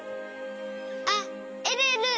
あっえるえる！